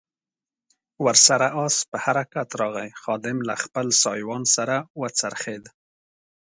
ور سره آس په حرکت راغی، خادم له خپل سایوان سره و څرخېد.